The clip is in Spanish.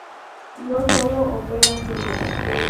No sólo ópera seria.